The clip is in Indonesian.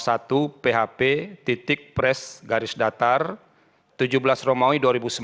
satu php titik pres garis datar tujuh belas romawi dua ribu sembilan belas